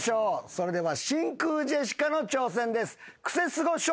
それでは真空ジェシカの挑戦です。